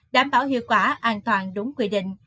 đảm bảo hiệu quả an toàn đúng quy định